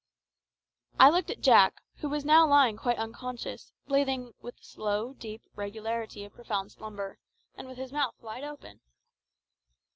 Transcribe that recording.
I looked at Jack, who was now lying quite unconscious, breathing with the slow, deep regularity of profound slumber, and with his mouth wide open.